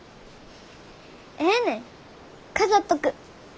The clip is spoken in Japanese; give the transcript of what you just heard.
ええねん飾っとく。